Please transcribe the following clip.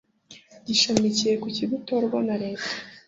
gishamikiye ku Kigo utorwa na leta